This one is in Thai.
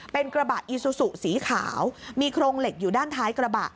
เป็นกระบะอีซูซูสีขาวมีโครงเหล็กอยู่ด้านท้ายกระบะ